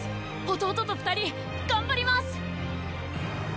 弟と二人頑張ります！